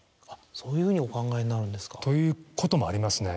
そういうふうにお考えになるんですか。ということもありますね